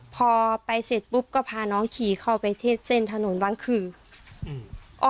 พอไปเสร็จปุ๊บก็พาน้องขี่เข้าไปเทศเส้นถนนวังขืออืม